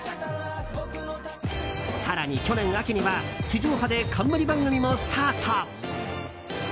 更に、去年秋には地上波で冠番組もスタート。